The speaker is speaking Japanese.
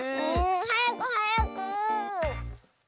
はやくはやく。